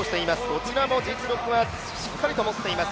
こちらも実力はしっかりと持っています